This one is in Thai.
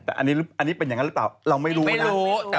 แต่อันนี้เป็นอย่างนั้นหรือเปล่าเราไม่รู้นะ